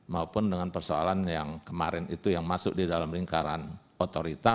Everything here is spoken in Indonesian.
maupun dengan persoalan yang kemarin itu yang masuk di dalam lingkaran otorita